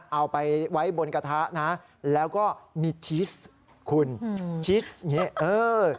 เอาไปไว้บนกระทะนะแล้วก็มีชีสคุณชีสอย่างนี้เออ